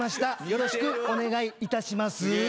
よろしくお願いいたしますぅ。